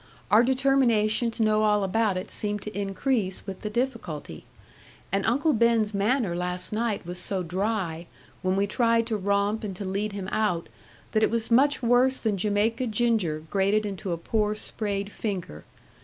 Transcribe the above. Our determination to know all about it seemed to increase with the difficulty. And Uncle Ben's manner last night was so dry, when we tried to romp and to lead him out, that it was much worse than Jamaica ginger grated into a poor sprayed finger.